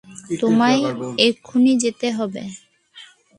তোমায় এক্ষুণি যেতে হবে।